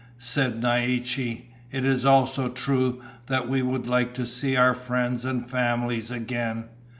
Said Naiche, "It is also true that we would like to see our friends and families again.